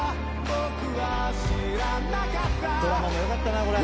ドラマもよかったなこれ。